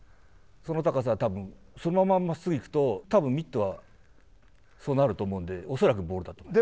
その高さは、たぶん、そのまままっすぐ行くと、たぶんミットはそうなると思うんで、恐らくボールだと思います。